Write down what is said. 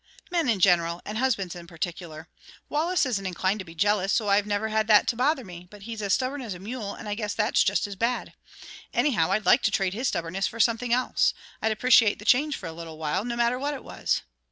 "Men in general and husbands in particular. Wallace isn't inclined to be jealous, so I've never had that to bother me, but he's as stubborn as a mule, and I guess that's just as bad. Anyhow, I'd like to trade his stubbornness for something else. I'd appreciate the change for a little while, no matter what it was."